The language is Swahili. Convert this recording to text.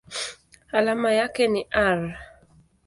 Alama yake ni Ar.